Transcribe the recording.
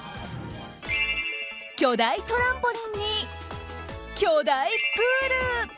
巨大トランポリンに巨大プール。